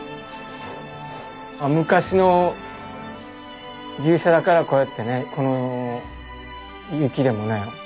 昔の牛舎だからこうやってねこの雪でもね丈夫だから。